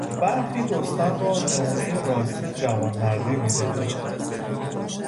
برخی رستم را نمونهی راستین جوانمردی میدانند.